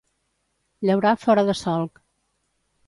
Llaurar fora de solc.